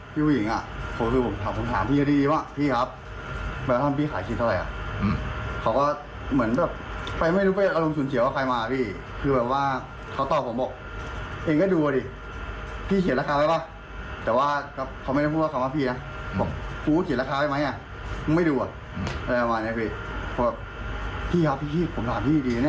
พี่ครับพี่ผมรักพี่ดีนะผมเกิดพี่ดีนะ